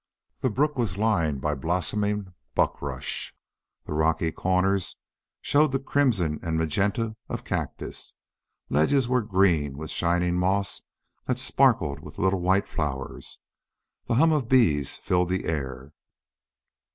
The brook was lined by blossoming buck rush; the rocky corners showed the crimson and magenta of cactus; ledges were green with shining moss that sparkled with little white flowers. The hum of bees filled the air.